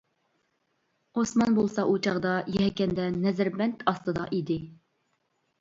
ئوسمان بولسا ئۇ چاغدا يەكەندە نەزەربەند ئاستىدا ئىدى.